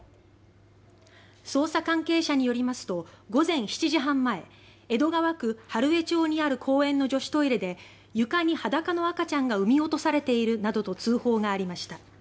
捜査関係者によりますと午前７時半前江戸川区春江町にある公園の女子トイレで床に裸の赤ちゃんが産み落とされているなどと通報がありました。